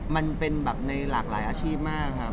มันเป็นแบบในหลากหลายอาชีพมากครับ